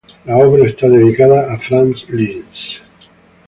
La obra está dedicada a Franz Liszt.